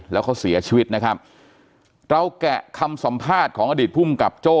แล้วเขาเสียชีวิตนะครับเราแกะคำสัมภาษณ์ของอดีตภูมิกับโจ้